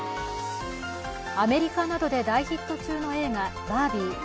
アメリカなどで大ヒット中の映画「バービー」。